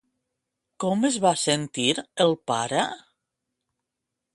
Com es va sentir el pare?